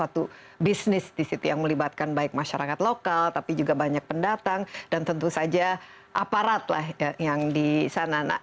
suatu bisnis di situ yang melibatkan baik masyarakat lokal tapi juga banyak pendatang dan tentu saja aparat lah yang di sana